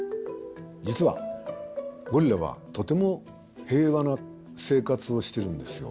実はゴリラはとても平和な生活をしてるんですよ。